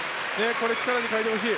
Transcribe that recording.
これを力に変えてほしい。